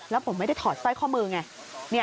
แล้วผมไม่ได้ถอดสร้อยข้อมือไง